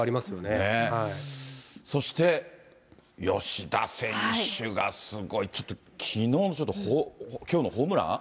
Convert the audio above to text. そして吉田選手がすごい、ちょっときのうの、きょうのホームラン？